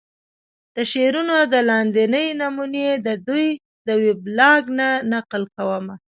د شعرونو دا لاندينۍ نمونې ددوې د وېبلاګ نه نقل کومه